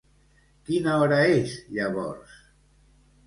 Quina hora és llavors?